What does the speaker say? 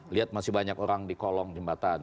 lihat masih banyak orang di kolong jembatan